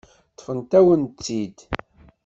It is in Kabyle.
Ṭṭfent-awen-tt-id.